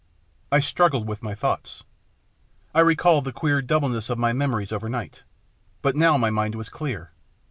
I struggled with my thoughts. I recalled the queer doubleness of my memories overnight. But now my mind was clear.